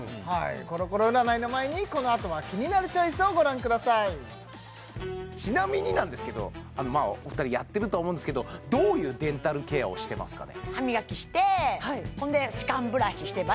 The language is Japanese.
コロコロ占いの前にこの後は「キニナルチョイス」をご覧くださいちなみになんですけどお二人やってるとは思うんですけどどういうデンタルケアをしてますかね？